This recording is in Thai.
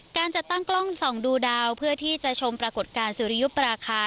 การจัดตั้งกล้องส่องดูดาวเพื่อที่จะชมปรากฏการณ์สุริยุปราคา